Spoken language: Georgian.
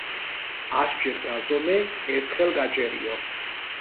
ასჯერ გაზომე ერთხელ გაჭერიო.